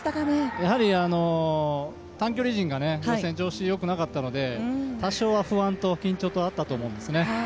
やはり短距離陣が予選は調子良くなかったので多少は不安と緊張とあったと思うんですね。